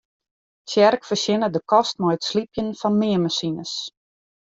Tsjerk fertsjinne de kost mei it slypjen fan meanmasines.